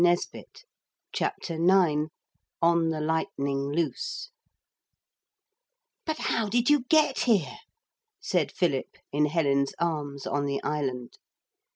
] CHAPTER IX ON THE 'LIGHTNING LOOSE' 'But how did you get here?' said Philip in Helen's arms on the island.